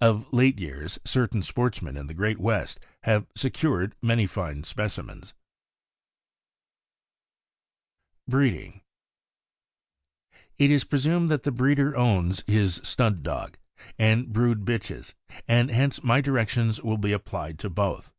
Of late years, certain sportsmen in the Great West have secured many fine specimens. THE SCOTCH DEERHOU1O). 177 BREEDING. It is presumed that the breeder owns his stud dog and brood bitches, and hence my directions will be applied to both.